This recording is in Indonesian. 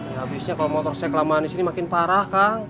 ya biasanya kalau motor saya kelamaan disini makin parah kang